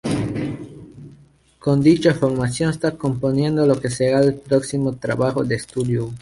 Con dicha formación están componiendo lo que será el su próximo trabajo de estudio.